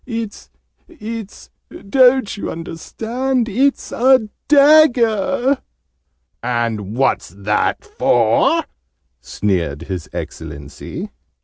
"It's it's don't you understand? It's a DAGGER!" "And what's that for?" sneered His Excellency.